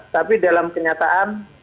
tapi dalam kenyataan